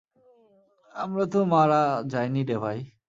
আমরা তো মারা যাইনিরে ভাই!